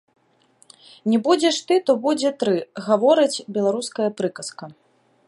Не будзеш ты, то будзе тры, гаворыць беларуская прыказка.